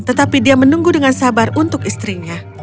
tetapi dia menunggu dengan sabar untuk istrinya